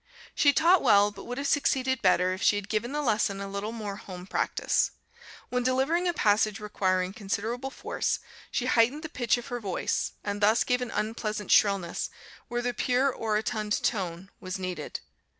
She taught well, but would have succeeded better if she had given the lesson a little more home practice. When delivering a passage requiring considerable force, she heightened the pitch of her voice, and thus gave an unpleasant shrillness, where the pure orotund tone was needed.